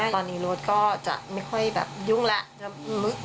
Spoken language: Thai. ตอนนี้รถก็จะไม่ค่อยแบบยุ่งแล้ว